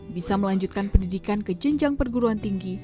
bisa melanjutkan pendidikan ke jenjang perguruan tinggi